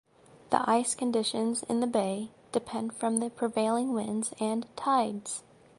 The ice conditions in the bay depend from the prevailing winds and tides.